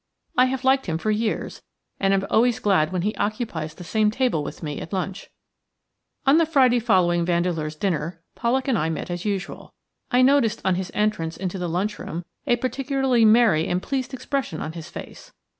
I have liked him for years, and am always glad when he occupies the same table with me at lunch. On the Friday following Vandeleur's dinner Pollak and I met as usual. I noticed on his entrance into the lunch room a particularly merry and pleased expression on his face.